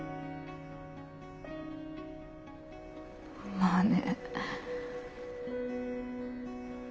まあね。